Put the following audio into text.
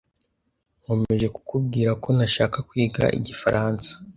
Nkomeje kukubwira ko ntashaka kwiga igifaransa.